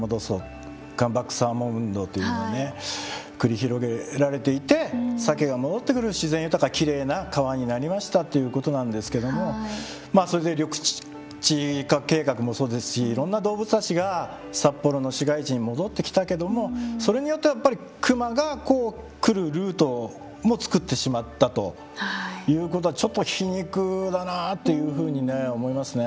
カムバックサーモン運動というのがね繰り広げられていてサケが戻ってくる自然豊かなきれいな川になりましたということなんですけどもそれで緑地化計画もそうですしいろんな動物たちが札幌の市街地に戻ってきたけどもそれによってやっぱりクマが来るルートも作ってしまったということはちょっと皮肉だなというふうにね思いますね。